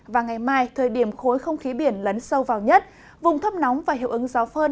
và ngày mai thời điểm khối không khí biển lấn sâu vào nhất vùng thấp nóng và hiệu ứng gió phơn